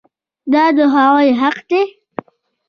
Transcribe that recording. دا د هغوی حق دی.